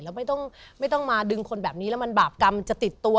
แล้วไม่ต้องมาดึงคนแบบนี้แล้วมันบาปกรรมจะติดตัว